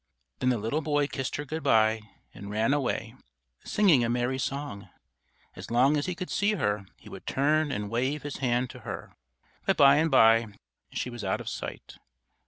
Then the little boy kissed her goodbye and ran away, singing a merry song. As long as he could see her he would turn and wave his hand to her; but by and by she was out of sight.